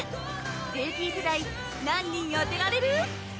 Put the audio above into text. ルーキー世代何人当てられる？